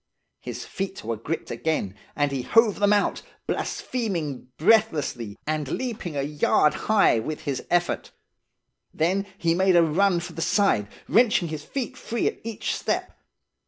His feet were gripped again, and he hove them out, blaspheming breathlessly, aud leaping a yard high with his effort. Then he made a run for the side, wrenching his feet free at each step.